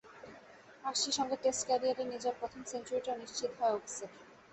আর সে সঙ্গে টেস্ট ক্যারিয়ারে নিজের প্রথম সেঞ্চুরিটাও নিশ্চিত হয় ওকসের।